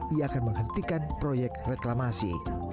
ia akan menghentikan proyek reklamasi